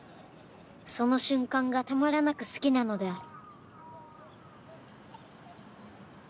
その瞬間がたまらなく好きなのである。